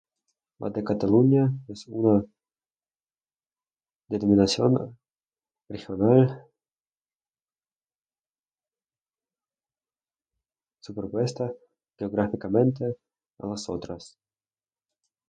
La de Cataluña es una denominación regional superpuesta geográficamente a las otras.